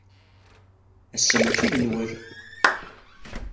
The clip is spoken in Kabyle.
Ass-a maci d Newwal!